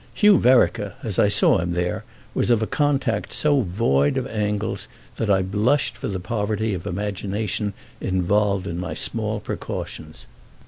Hugh Vereker, as I saw him there, was of a contact so void of angles that I blushed for the poverty of imagination involved in my small precautions.